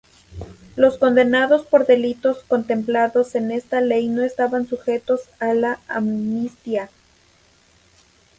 Los condenados por delitos contemplados en esta ley no estaban sujetos a la amnistía.